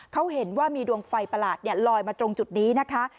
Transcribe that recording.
เขาเห็นว่ามีดวงไฟประหลาดลอยมาตรงจุดนี้นะคะ